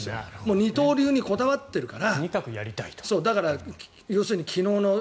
二刀流にこだわっているから。